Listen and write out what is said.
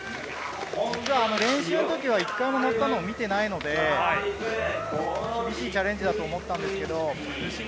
実は、練習の時は１回も乗ったのを見てないので厳しいチャレンジだと思ったんですけど。